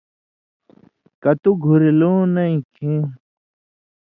کہ تُو گھُرِلوۡ نَیں کھیں،